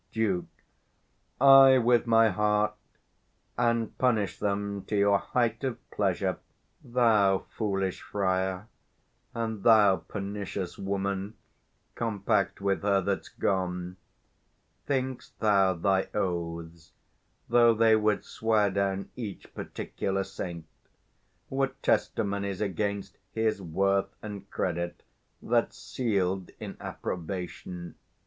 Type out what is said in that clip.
Duke. Ay, with my heart; And punish them to your height of pleasure. Thou foolish friar; and thou pernicious woman, Compact with her that's gone, think'st thou thy oaths, 240 Though they would swear down each particular saint, Were testimonies against his worth and credit, That's seal'd in approbation?